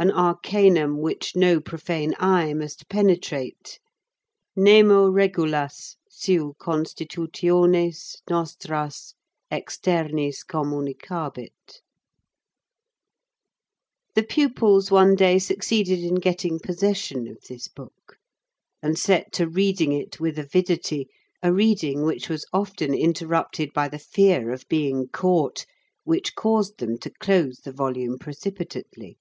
An arcanum which no profane eye must penetrate. Nemo regulas, seu constitutiones nostras, externis communicabit. The pupils one day succeeded in getting possession of this book, and set to reading it with avidity, a reading which was often interrupted by the fear of being caught, which caused them to close the volume precipitately.